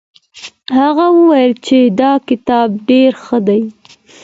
هغه وویل چي دا کتاب ډېر ښه دی.